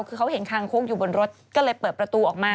คือเขาเห็นคางคกอยู่บนรถก็เลยเปิดประตูออกมา